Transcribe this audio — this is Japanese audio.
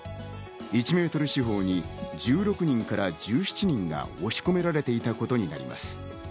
１メートル四方に１６人から１７人が押し込められていたことになります。